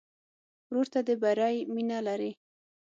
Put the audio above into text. ورور ته د بری مینه لرې.